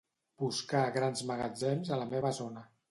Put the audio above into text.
Buscar grans magatzems a la meva zona.